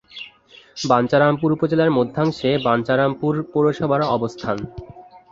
বাঞ্ছারামপুর উপজেলার মধ্যাংশে বাঞ্ছারামপুর পৌরসভার অবস্থান।